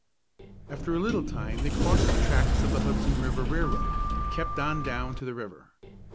After a little time they crossed the tracks of the Hudson River Railroad, and kept on down to the river.